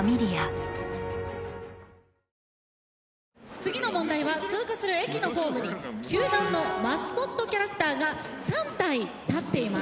次の問題は通過する駅のホームに球団のマスコットキャラクターが３体立っています。